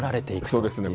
そうですね。